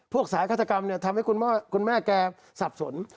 สายฆาตกรรมเนี่ยทำให้คุณแม่แกสับสน